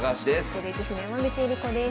女流棋士の山口恵梨子です。